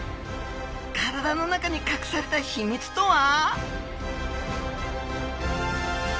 体の中にかくされた秘密とは！？